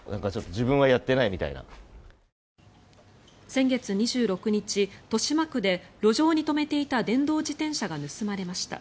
先月２６日、豊島区で路上に止めていた電動自転車が盗まれました。